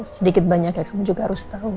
sedikit banyaknya kamu juga harus tahu